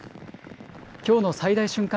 きょうの最大瞬間